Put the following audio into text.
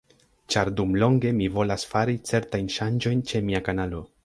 Ĉar dum longe mi volas fari certajn ŝanĝojn ĉe mia kanalo